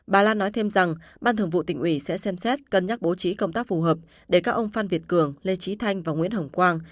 bà lan nói thêm rằng ban thường vụ tỉnh ủy sẽ xem xét cân nhắc bố trí công tác phù hợp để các ông phan việt cường lê trí thanh và nguyễn hồng quang